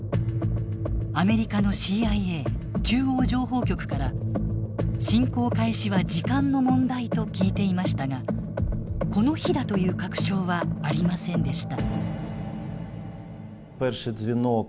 アメリカのＣＩＡ中央情報局から「侵攻開始は時間の問題」と聞いていましたがこの日だという確証はありませんでした。